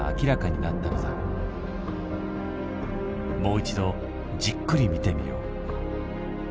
もう一度じっくり見てみよう。